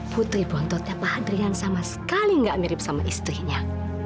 putri bontotnya pak hadrian sama sekali nggak mirip sama istrinya